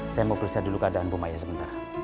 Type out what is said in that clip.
saya mau periksa dulu keadaan bu maya sebentar